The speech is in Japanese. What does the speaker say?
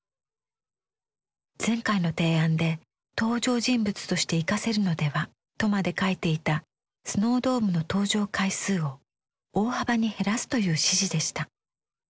前回の提案で「登場人物として生かせるのでは？」とまで書いていたスノードームの登場回数を大幅に減らすという指示でした。